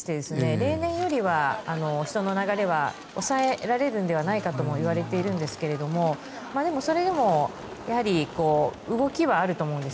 例年よりは人の流れは抑えられるんではないかといわれているんですがそれでもやはり動きはあると思うんです。